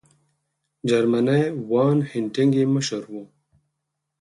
جرمنی وان هینټیګ یې مشر وو.